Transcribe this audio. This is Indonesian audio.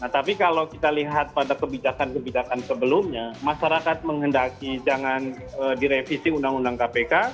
tapi kalau kita lihat pada kebijakan kebijakan sebelumnya masyarakat menghendaki jangan direvisi undang undang kpk